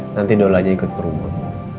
nanti dolanya ikut ke rumah